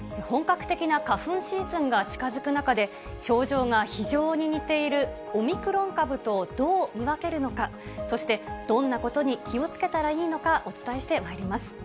本格的な花粉シーズンが近づく中で、症状が非常に似ているオミクロン株とどう見分けるのか、そしてどんなことに気をつけたらいいのか、お伝えしてまいります。